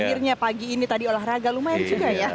akhirnya pagi ini tadi olahraga lumayan juga ya